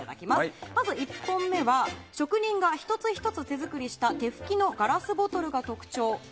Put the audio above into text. まず１本目は職人が１つ１つ手作りした手吹きのガラスボトルが特徴。